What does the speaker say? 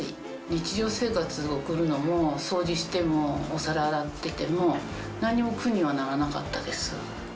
日常生活を送るのも掃除してもお皿洗ってても何も苦にはならなかったです。